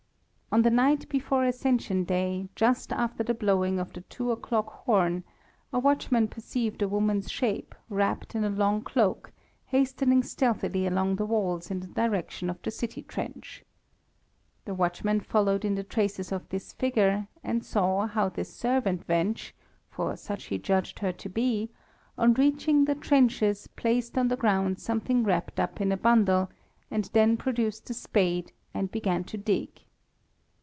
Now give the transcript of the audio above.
On the night before Ascension Day, just after the blowing of the two o'clock horn, a watchman perceived a woman's shape, wrapped in a long cloak, hastening stealthily along the walls in the direction of the city trench. The watchman followed in the traces of this figure, and saw how this servant wench for such he judged her to be on reaching the trenches, placed on the ground something wrapped up in a bundle, and then produced a spade and began to dig.